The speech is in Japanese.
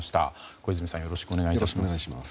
小泉さんよろしくお願いいたします。